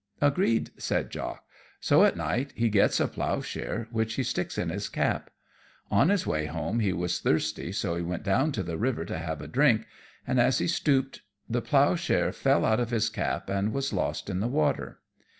"Agreed," said Jock. So at night he gets a plough share, which he sticks in his cap. On his way home he was thirsty, so he went down to the river to have a drink, and as he stooped the plough share fell out of his cap and was lost in the water.